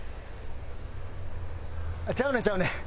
ちゃうねんちゃうねん。